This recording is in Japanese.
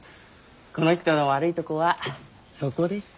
この人の悪いとこはそこです。